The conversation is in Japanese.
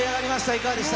いかがでした。